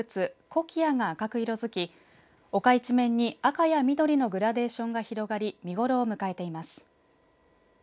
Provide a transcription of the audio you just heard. コキアが赤く色づき丘一面に赤や緑のグラデーションが広がり見頃を迎えています。